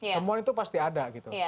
temuan itu pasti ada gitu